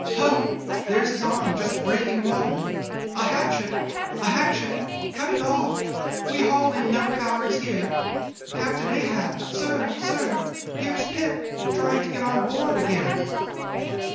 Ho! there's his arm just breaking water. A hatchet! a hatchet! cut it off—we haul in no cowards here. Captain Ahab! sir, sir! here's Pip, trying to get on board again."